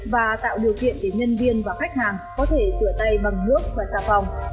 và tạo điều kiện để nhân viên và khách hàng có thể sửa tay bằng nước và tạp phòng